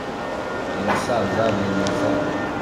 abasaza bemeza